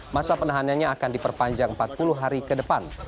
masa penahanannya akan diperpanjang empat puluh hari ke depan